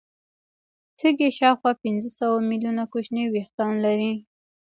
سږي شاوخوا پنځه سوه ملیونه کوچني وېښتان لري.